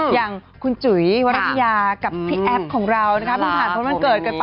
อย่างคุณจุ๋ยวัฒนภาษายากับพี่แอ็ปประมาณผลวันเกิด